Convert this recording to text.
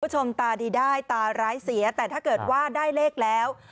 ตาดีได้ตาร้ายเสียแต่ถ้าเกิดว่าได้เลขแล้ว